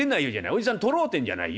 おじさん取ろうってんじゃないよ。